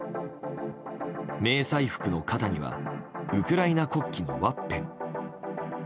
迷彩服の肩にはウクライナ国旗のワッペン。